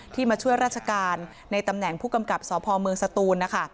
มาช่วยราชการในตำแหน่งผู้กำกับสพเมืองสตูนนะคะ